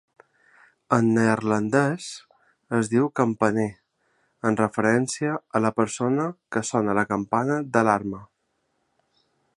En neerlandès es diu campaner, en referència a la persona que sona la campana d'alarma.